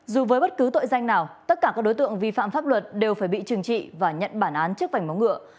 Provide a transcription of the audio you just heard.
dù với bất cứ tội danh nào tất cả các đối tượng vi phạm pháp luật đều phải bị trừng trị và nhận bản án trước vảnh móng ngựa